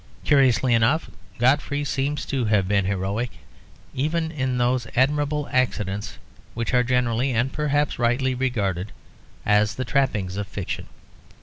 Curiously enough Godfrey seems to have been heroic even in those admirable accidents which are generally and perhaps rightly regarded as the trappings of fiction.